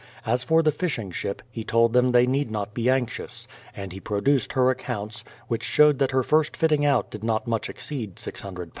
As for the fishing ship, he told them they need not be anxious ; and he produced her accounts, which showed that her first fitting out did not much exceed i6oo.